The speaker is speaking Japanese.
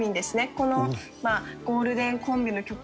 このゴールデンコンビの曲なんですよ。